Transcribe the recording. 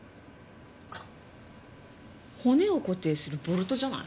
骨を固定するボルトじゃない？